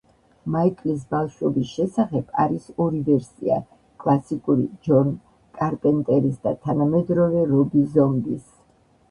მაიკლის ბავშვობის შესახებ არის ორი ვერსია: კლასიკური ჯონ კარპენტერის და თანამედროვე რობი ზომბის.